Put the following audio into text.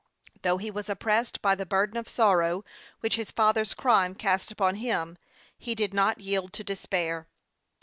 Though he was oppressed by the burden of sorrow which his father's crime cast upon him, he did not yield to despair.